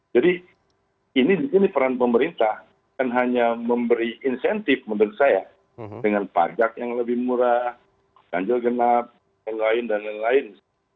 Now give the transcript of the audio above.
jadi ini peran pemerintah kan hanya memberi insentif menurut saya dengan pajak yang lebih murah ganjil genap dan lain lain